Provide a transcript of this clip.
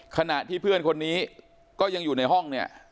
ขณะที่เพื่อนคนนี้ก็ยังอยู่ในห้องเนี่ย